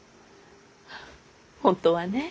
本当はね